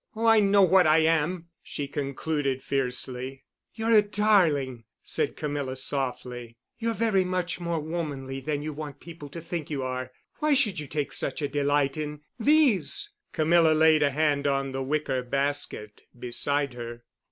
Oh, I know what I am!" she concluded fiercely. "You're a darling!" said Camilla softly. "You're very much more womanly than you want people to think you are. Why should you take such a delight in these?" Camilla laid a hand on the wicker basket beside her.